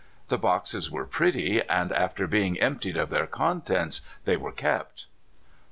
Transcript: The boxes were pretty, and, after being emptied of their contents, they were kept.